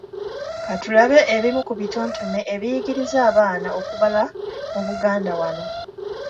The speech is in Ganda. Katulabe ebimu ku bitontome ebiyigiriza abaana okubala mu Buganda wano.